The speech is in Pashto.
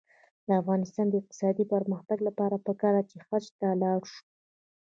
د افغانستان د اقتصادي پرمختګ لپاره پکار ده چې حج ته لاړ شو.